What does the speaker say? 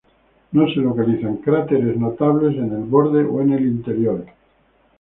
No se localizan cráteres notables en el borde o en el interior.